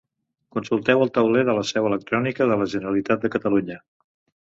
Consulteu el Tauler de la Seu electrònica de la Generalitat de Catalunya.